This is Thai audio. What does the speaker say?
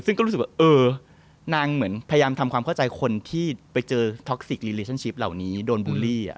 ซึ่งก็รู้สึกว่าเออนางเหมือนพยายามทำความเข้าใจคนที่ไปเจอท็อกซิกลีเลชั่นชิปเหล่านี้โดนบูลลี่